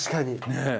ねえ。